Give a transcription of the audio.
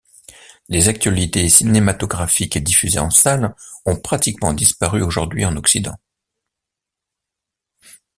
Les actualités cinématographiques diffusées en salle ont pratiquement disparu aujourd'hui en Occident.